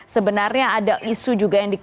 sebenarnya ada isu juga yang di